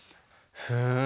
ふん。